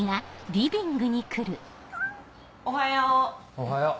おはよう。